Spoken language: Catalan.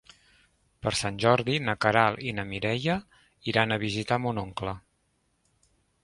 Per Sant Jordi na Queralt i na Mireia iran a visitar mon oncle.